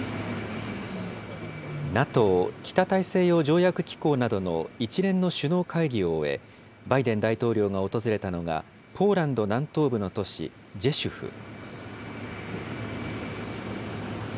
ＮＡＴＯ・北大西洋条約機構などの一連の首脳会議を終え、バイデン大統領が訪れたのが、ポーランド南東部の都市ジェシュフ。